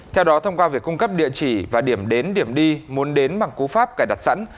theo đó thông qua việc cung cấp địa chỉ và điểm đến điểm đi muốn đến bằng cú pháp cài đặt sẵn